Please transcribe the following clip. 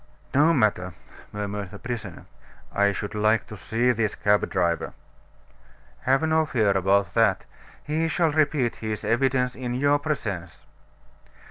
"No matter," murmured the prisoner. "I should like to see this cab driver." "Have no fear about that; he shall repeat his evidence in your presence."